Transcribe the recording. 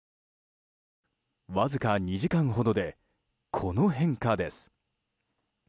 わずか２時間ほどでこの変化です。